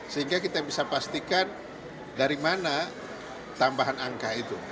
sehingga kita bisa pastikan dari mana tambahan angka itu